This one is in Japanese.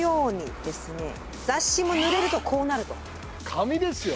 紙ですよ？